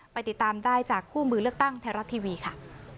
ติดตามได้จากคู่มือเลือกตั้งไทยรัฐทีวีค่ะ